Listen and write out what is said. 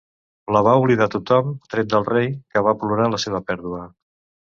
La va oblidar tothom tret del Rei, que va plorar la seva pèrdua.